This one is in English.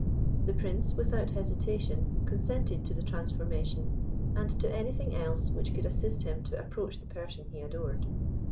The Prince, without hesitation, consented to the transformation, and to anything else which could assist him to approach the person he adored.